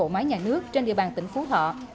máy nhà nước trên địa bàn tỉnh phú thọ